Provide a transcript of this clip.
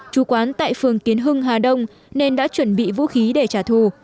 chú quán tại phường tiến hưng hà đông nên đã chuẩn bị vũ khí để trả thù